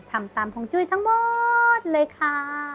ทำตามฮงจุ้ยทั้งหมดเลยค่ะ